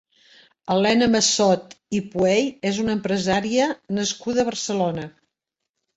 Elena Massot i Puey és una empresària nascuda a Barcelona.